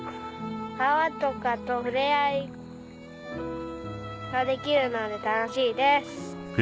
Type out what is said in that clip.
川とかと触れ合いができるので楽しいです！